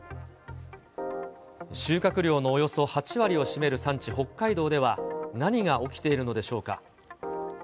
収穫量のおよそ８割を占める産地、北海道では何が起きているのでしょうか。